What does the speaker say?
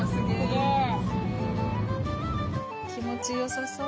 気持ちよさそう。